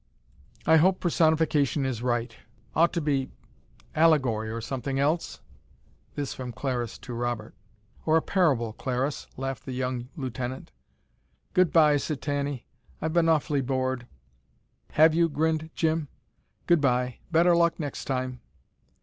"I hope personification is right. Ought to be allegory or something else?" This from Clariss to Robert. "Or a parable, Clariss," laughed the young lieutenant. "Goodbye," said Tanny. "I've been awfully bored." "Have you?" grinned Jim. "Goodbye! Better luck next time."